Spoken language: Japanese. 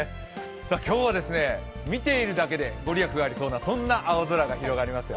今日は見ているだけで御利益がありそうな青空が広がっていますよ。